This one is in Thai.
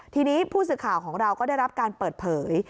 ทีนี้ผู้สื่อข่าวของเราก็ได้รับการเปิดเผย